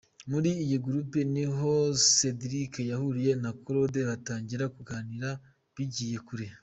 Muri iyi groupe niho Cedric yahuriye na Claudette batangira kuganira bigiye kure.